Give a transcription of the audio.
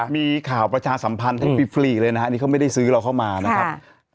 มีข่าวประชาสัมพันธ์ให้ฟรีเลยนะฮะนี่เขาไม่ได้ซื้อเราเข้ามานะครับ